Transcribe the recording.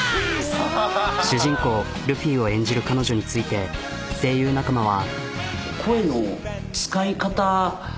主人公ルフィを演じる彼女について声優仲間は。